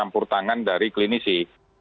purtangan dari klinisi